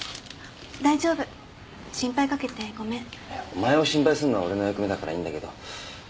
いやお前を心配するのは俺の役目だからいいんだけど。